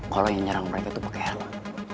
kalo yang nyerang mereka itu pake helm